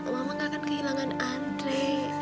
mama gak akan kehilangan andre